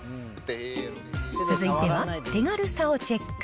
続いては手軽さをチェック。